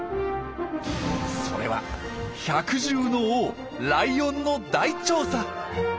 それは百獣の王ライオンの大調査！